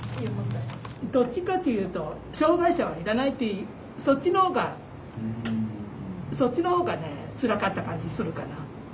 どっちかっていうと障害者はいらないっていうそっちの方がそっちの方がねつらかった感じするかな。